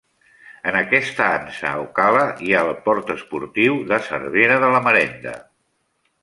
En aquesta ansa, o cala, hi ha el port esportiu de Cervera de la Marenda.